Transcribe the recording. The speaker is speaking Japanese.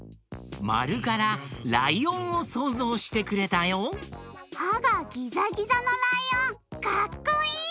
まるからライオンをそうぞうしてくれたよ！はがギザギザのライオンかっこいい！